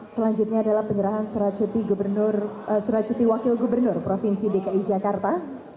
selanjutnya adalah penyerahan surat cuti wakil gubernur provinsi dki jakarta